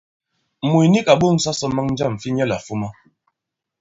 Mùt nik à ɓo᷇ŋsa sɔ maŋ jâm fi nyɛlà fuma.